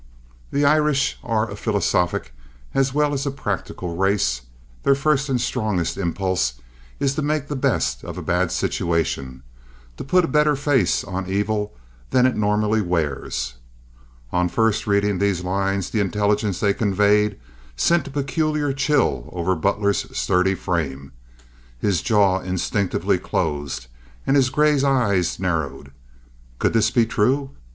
The Irish are a philosophic as well as a practical race. Their first and strongest impulse is to make the best of a bad situation—to put a better face on evil than it normally wears. On first reading these lines the intelligence they conveyed sent a peculiar chill over Butler's sturdy frame. His jaw instinctively closed, and his gray eyes narrowed. Could this be true?